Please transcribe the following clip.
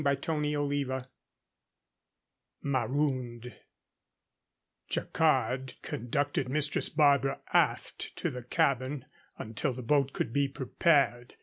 CHAPTER XVI MAROONED Jacquard conducted Mistress Barbara aft to the cabin until the boat could be prepared.